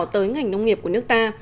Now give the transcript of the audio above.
tới ngành nông nghiệp của nước ta